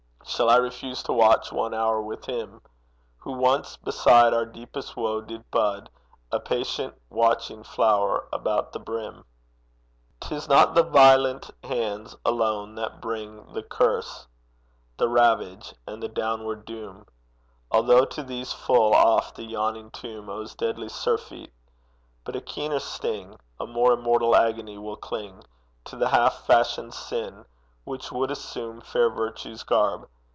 Shall I refuse to watch one hour with him Who once beside our deepest woe did bud A patient watching flower about the brim. 'Tis not the violent hands alone that bring The curse, the ravage, and the downward doom Although to these full oft the yawning tomb Owes deadly surfeit; but a keener sting, A more immortal agony, will cling To the half fashioned sin which would assume Fair Virtue's garb.